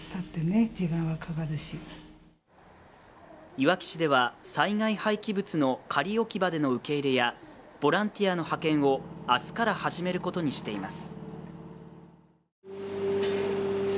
いわき市では災害廃棄物の仮置き場での受け入れやボランティアの派遣を明日から始めることにしています。